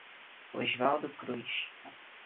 Osvaldo Cruz